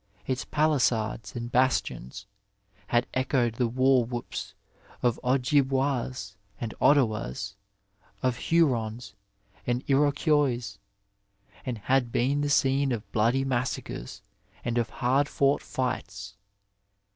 Its paUsades and bastions had echoed the war whoops of Ojibwas and Ottawas, of Hurons and Iroquois, and had been the scene of bloody massacres and of hard fought fights.